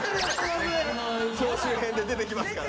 総集編で出てきますから。